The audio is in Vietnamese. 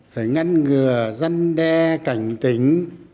phải ngăn ngừa dân đe cảnh tỉnh